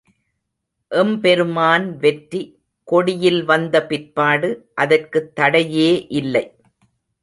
எம்பெருமான் வெற்றி கொடியில் வந்த பிற்பாடு அதற்குத் தடையே இல்லை.